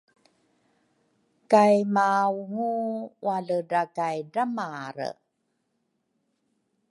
kay maungu wa-ledra kay dramalre.